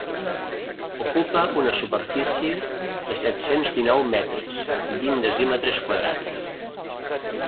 Ocupa una superfície de set-cents dinou metres, vint decímetres quadrats.